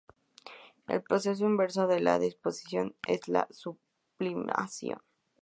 El proceso inverso de la deposición es la sublimación.